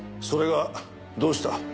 それがどうした？